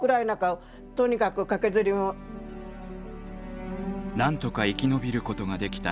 なんとか生き延びることができた三島さん。